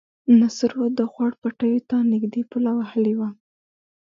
نصرو د خوړ پټيو ته نږدې پوله وهلې وه.